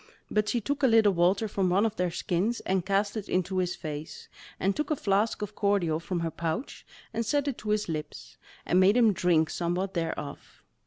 But she took a little water from one of their skins, and cast it into his face, and took a flask of cordial from her pouch, and set it to his lips, and made him drink somewhat thereof.